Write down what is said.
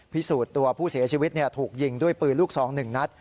พิสูจน์ตัวผู้เสียชีวิตถูกยิงด้วยปืนลูกซอง๑นัด